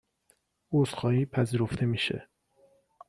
عذر خواهی پذیرفته میشه